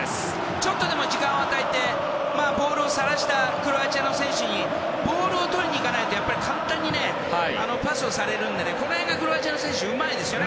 ちょっとでも時間を与えてボールをさらしたクロアチアの選手にボールをとりにいかないと簡単にパスされるのでこの辺がクロアチアの選手はうまいですよね。